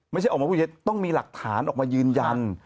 ไม่ใช่ออกมาพูดต้องมีหลักฐานออกมายืนยัน